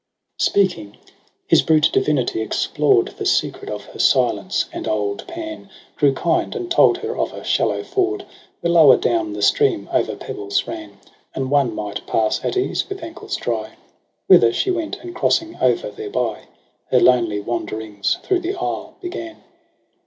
Spealcing, his brute divinity explored The secretof her silence; and old Pan Grew kind and told her of a shallow ford Where lower down the stream o'er pebbles ran, And one might pass at ease with ankles dry : Whither she went, and crossing o'er thereby, Her lonely wanderings through the isle began.